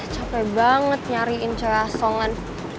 capek banget nyariin cewek asongan